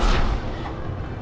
aku ini harus sembuh